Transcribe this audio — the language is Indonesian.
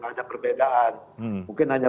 ada perbedaan mungkin hanya